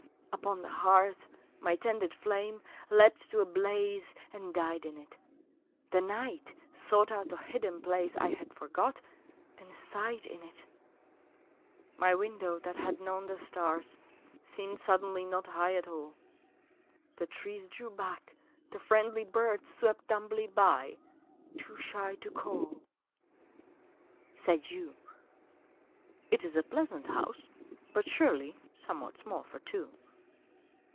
Upon the hearth my tended flame Leapt to a blaze and died in it. The night sought out a hidden place I had forgot and sighed in it. My window that had known the stars Seemed suddenly not high at all. The trees drew back; the friendly birds Swept dumbly by, too shy to call. Said you: "It is a pleasant house, But surely somewhat small for two!"